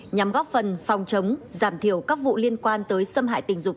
nhằm góp phần phòng chống giảm thiểu các vụ liên quan tới xâm hại tình dục